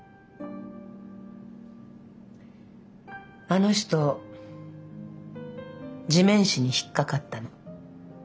あの人地面師に引っかかったの。